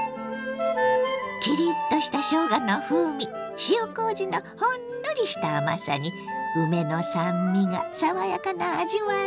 キリッとしたしょうがの風味塩こうじのほんのりした甘さに梅の酸味が爽やかな味わい。